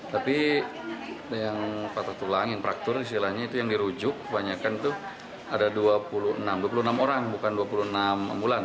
tapi yang patah tulang yang praktur istilahnya itu yang dirujuk kebanyakan itu ada dua puluh enam orang bukan dua puluh enam ambulan